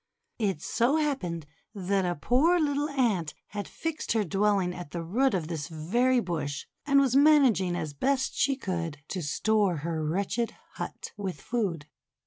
It so happened that a poor little Ant had fixed her dwelling at the root of this very bush, and was managing as best she could to store her wretched hut with food.